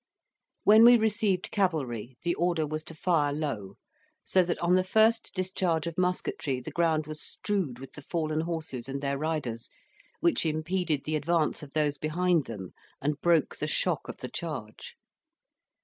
When we received cavalry, the order was to fire low; so that on the first discharge of musketry the ground was strewed with the fallen horses and their riders, which impeded the advance of those behind them and broke the shock of the charge.